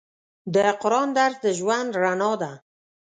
د قرآن درس د ژوند رڼا ده.